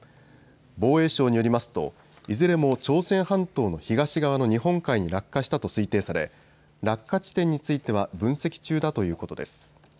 防衛省によりますといずれも朝鮮半島の東側の日本海に落下したと推定され落下地点については分析中だということです。